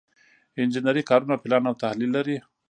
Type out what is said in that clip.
انجنري کارونه پلان او تحلیل لري.